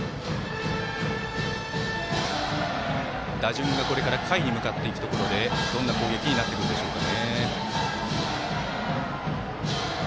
打順がこれから下位に向かっていくところでどんな攻撃になってくるでしょうか。